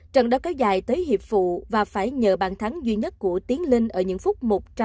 trận đã kéo dài tới hiệp phụ và phải nhờ bàn thắng duy nhất của tiến linh ở những phút một trăm một mươi một